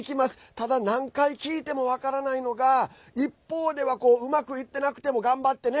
ただ、何回聞いても分からないのがいっぽうではうまくいってなくても頑張ってね